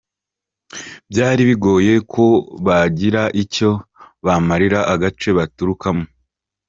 Byari bigoye ko bagira icyo bamarira agace baturukamo.